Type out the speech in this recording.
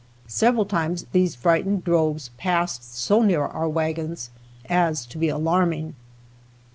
Several times these frightened droves passed so near our wagons as to be alarming.